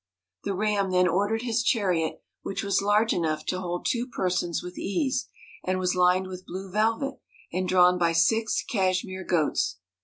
The Ram then ordered his chariot, which was large enough to hold two persons with ease, and was lined with blue velvet, and drawn by six cashmere goats.